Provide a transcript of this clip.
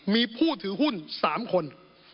มีผู้ถือหุ้น๓คน